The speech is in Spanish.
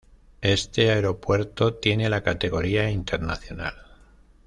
Este aeropuerto tiene la categoría Internacional.